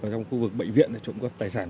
trong khu vực bệnh viện để trộm cắp tài sản